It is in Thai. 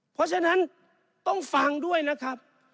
เพราะฉะนั้นต้องฟังด้วยนะครับ